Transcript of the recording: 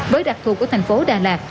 với đặc thù của thành phố đà lạt